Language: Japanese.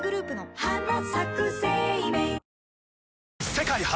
世界初！